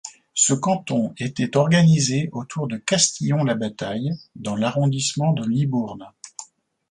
Ce canton était organisé autour de Castillon-la-Bataille, dans l'arrondissement de Libourne.